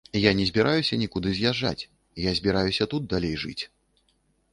Я не збіраюся нікуды з'язджаць, я збіраюся тут далей жыць.